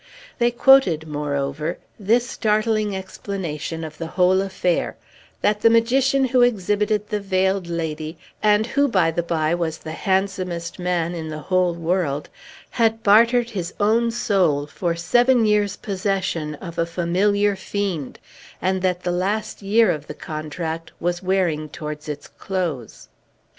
They quoted, moreover, this startling explanation of the whole affair: that the magician who exhibited the Veiled Lady and who, by the bye, was the handsomest man in the whole world had bartered his own soul for seven years' possession of a familiar fiend, and that the last year of the contract was wearing towards its close.